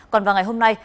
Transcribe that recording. còn vào ngày hôm nay